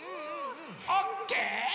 オッケー？